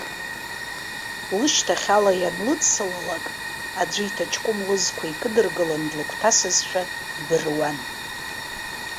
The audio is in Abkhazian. Лышьҭахь ала ианлыдсылалак, аӡәы иҭаҷкәым лызқәа икыдыргылан длыгәҭасызшәа дбыруан.